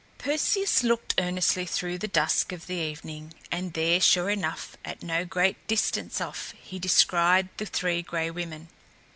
Perseus looked earnestly through the dusk of the evening, and there, sure enough, at no great distance off, he descried the Three Gray Women.